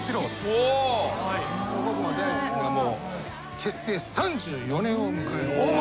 僕も大好きな結成３４年を迎える大物